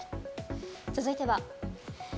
続いては。